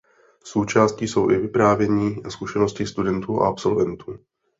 Součástí jsou i vyprávění a zkušenosti studentů a absolventů.